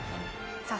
さあ